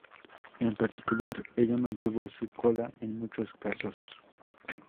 En particular, ella mantuvo su cola en muchos casos.